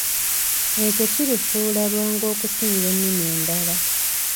Ekyo kirufuula lwangu okusinga ennimi endala.